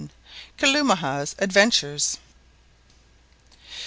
KALUMAH'S ADVENTURES.